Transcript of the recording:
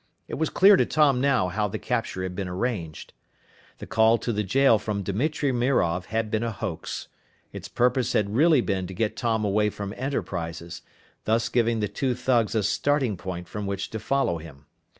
It was clear to Tom now how the capture had been arranged. The call to the jail from Dimitri Mirov had been a hoax. Its purpose had really been to get Tom away from Enterprises thus giving the two thugs a starting point from which to follow him.